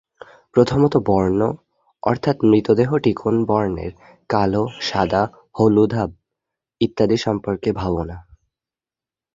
প্রথমত বর্ণ, অর্থাৎ মৃতদেহটি কোন বর্ণের, কালো, সাদা, হলুদাভ ইত্যাদি সম্পর্কে ভাবনা।